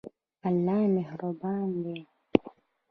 ایا الله مهربان دی؟